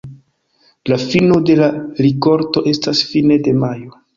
La fino de la rikolto estas fine de majo.